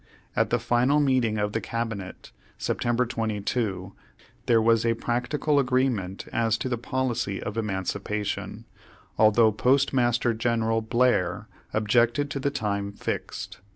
At the final meeting of the cabinet, Septem ber 22, there was a practical agreement as to the policy of emancipation, although Postmaster Gen eral Blair objected to the time fixed.